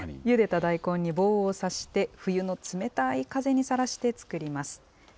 ゆでた大根に棒をさして、冬の冷たい風にさらして作ります。